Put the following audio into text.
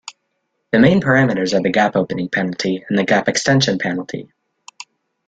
The main parameters are the gap opening penalty, and the gap extension penalty.